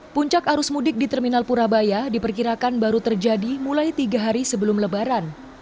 puncak arus mudik di terminal purabaya diperkirakan baru terjadi mulai tiga hari sebelum lebaran